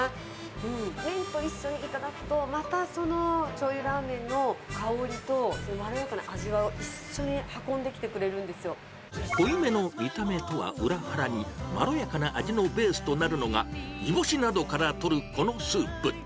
麺と一緒に頂くと、またそのしょうゆらぁめんの香りと、まろやかな味を一緒に運んで濃いめの見た目とは裏腹に、まろやかな味のベースとなるのが、煮干しなどからとるこのスープ。